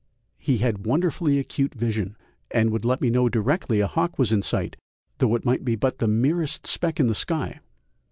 He had wonderfully acute vision, and would let me know directly a hawk was in sight, though it might be but the merest speck in the sky.